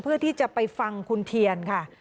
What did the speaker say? เพื่อที่จะไปฟังคุณเทียนค่ะ